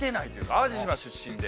淡路島出身で。